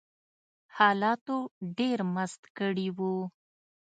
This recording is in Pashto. حالاتو ډېر مست کړي وو